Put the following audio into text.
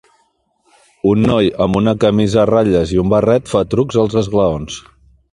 Un noi amb una camisa a ratlles i un barret fa trucs als esglaons.